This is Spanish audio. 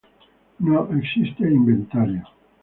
No existe inventario.